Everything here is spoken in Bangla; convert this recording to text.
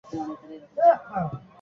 দুই প্রজাতির পাইলট তিমি রয়েছে।